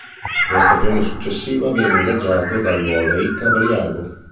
Per la stagione successiva viene ingaggiato dal Volley Cavriago.